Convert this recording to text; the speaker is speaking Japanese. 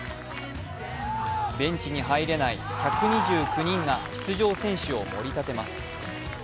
ベンチに入れない１２９人が出場選手を盛り立てます。